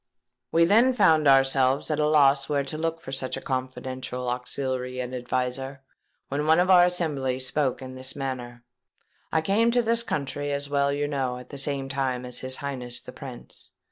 "We then found ourselves at a loss where to look for such a confidential auxiliary and adviser; when one of our assembly spoke in this manner:—'I came to this country, as you well know, at the same time as his Highness the Prince.